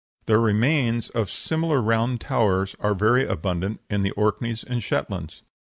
The remains of similar round towers are very abundant in the Orkneys and Shetlands.